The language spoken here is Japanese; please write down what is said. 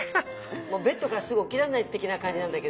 ベッドからすぐ起きらんない的な感じなんだけど。